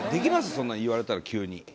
そんな言われたら急に。